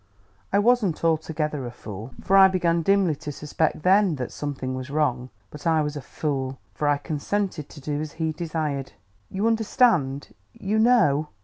I wasn't altogether a fool, for I began dimly to suspect, then, that something was wrong; but I was a fool, for I consented to do as he desired. You understand you know